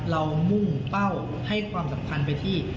มุ่งเป้าให้ความสำคัญไปที่